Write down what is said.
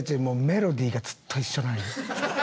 メロディーがずっと一緒なんよ。